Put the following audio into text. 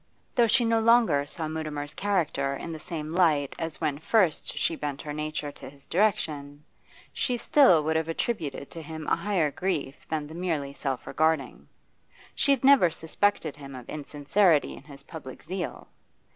Though she no longer saw Mutimer's character in the same light as when first she bent her nature to his direction, she still would have attributed to him a higher grief than the merely self regarding; she had never suspected him of insincerity in his public zeal.